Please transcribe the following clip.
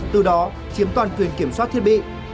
từ đó chiếm toàn quyền kiểm soát thiết bị